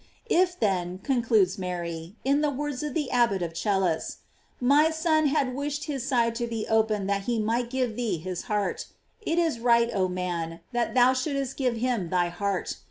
* If then, concludes Mary, in the words of the Abbot of Celles, my Son had wish ed his side to be opened that he might give thee his heart,f it is right, oh man, that thou shouldst give him thy heart.